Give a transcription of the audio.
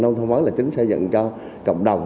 nông thông mới là chính xây dựng cho cộng đồng